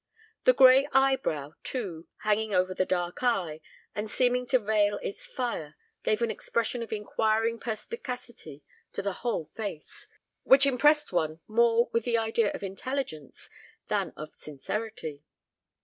The gray eyebrow, too, hanging over the dark eye, and seeming to veil its fire, gave an expression of inquiring perspicacity to the whole face, which impressed one more with the idea of intelligence than of sincerity.